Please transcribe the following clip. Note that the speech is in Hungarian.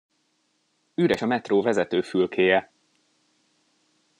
Üres a metró vezetőfülkéje!